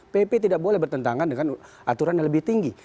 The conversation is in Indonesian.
pp tidak boleh bertentangan dengan aturan yang lebih tinggi